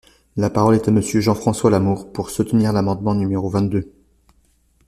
La parole est à Monsieur Jean-François Lamour, pour soutenir l’amendement numéro vingt-deux.